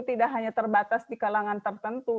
tidak hanya terbatas di kalangan tertentu